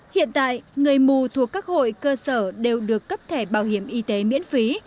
hiện tại người mù thuộc các hội cơ sở đều được cấp thẻ bảo hiểm y tế miễn phí